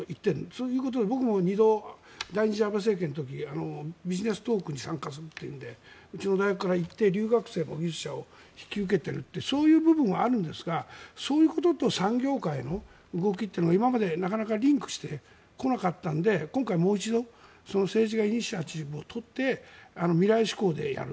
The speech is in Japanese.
そういうことで僕も２度第１次安倍政権の時にビジネストークに参加するというのでうちの大学から行って技術者も留学生を受け入れているそういう部分があるんですがそういうことと産業界の動きというのは今までなかなかリンクしてこなかったので今回、もう一度政治がイニシアチブを取って未来志向でやる。